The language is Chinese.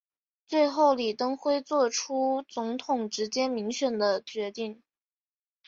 最后李登辉做出总统直接民选的决定。